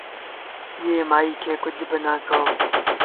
ايٚئي مآئيٚ کي ڪجھ با نآ ڪهو